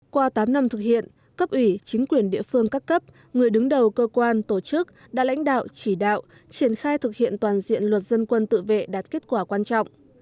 qua tám năm thực hiện cấp ủy chính quyền địa phương các cấp người đứng đầu cơ quan tổ chức đã lãnh đạo chỉ đạo triển khai thực hiện toàn diện luật dân quân tự vệ đạt kết quả quan trọng